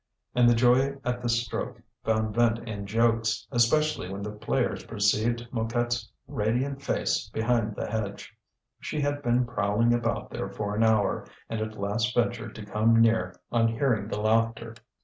And the joy at this stroke found vent in jokes, especially when the players perceived Mouquette's radiant face behind the hedge. She had been prowling about there for an hour, and at last ventured to come near on hearing the laughter.